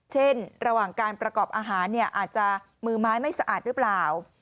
เช่นระหว่างการประกอบอาหารอาจจะมือไม้ไม่สะอาดหรือเปล่า